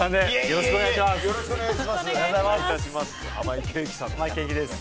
よろしくお願いします。